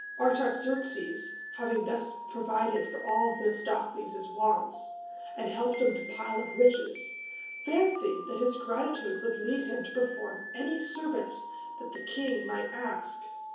Artaxerxes, having thus provided for all Themistocles' wants, and helped him to pile up riches, fancied that his gratitude would lead him to perform any service the king might ask.